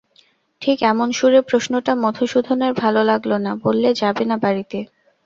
ঠিক এমন সুরে প্রশ্নটা মধুসূদনের ভালো লাগল না, বললে, যাবে না বাড়িতে?